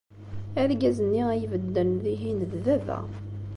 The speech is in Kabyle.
Argaz-nni ay ibedden dihin d baba.